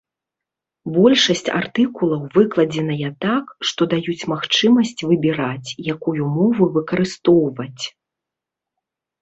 Большасць артыкулаў выкладзеныя так, што даюць магчымасць выбіраць, якую мову выкарыстоўваць.